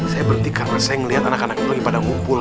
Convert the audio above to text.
saya berhenti karena saya ngeliat anak anaknya pergi pada ngumpul